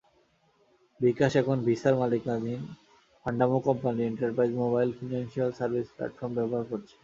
বিকাশ এখন ভিসার মালিকানাধীন ফান্ডামো কোম্পানির enterprise mobile financial service platform ব্যবহার করছে।